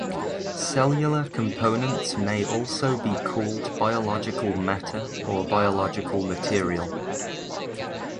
Cellular components may also be called biological matter or biological material.